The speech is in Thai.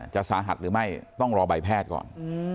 จะสาหัสหรือไม่ต้องรอใบแพทย์ก่อน